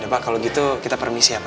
ya pak kalau begitu kita permisi ya pak